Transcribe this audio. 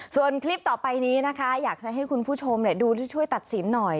ส่วนคลิปต่อไปนี้นะคะอยากจะให้คุณผู้ชมดูช่วยตัดสินหน่อย